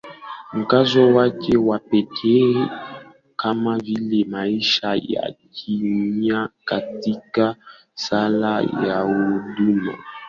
mkazo wake wa pekee kama vile maisha ya kimya katika sala au huduma